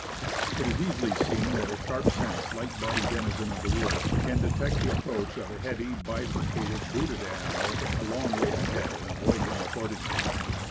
It is easily seen that a sharp sensed, light bodied denizen of the woods can detect the approach of a heavy, bifurcated, booted animal, a long way ahead, and avoid him accordingly.